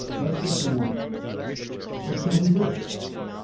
Let's get to work." "What shall we do?"